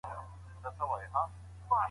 په سوسیالیزم کي د انسان هڅي بې ځایه ځي.